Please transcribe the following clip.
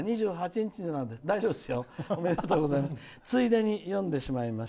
２８日です」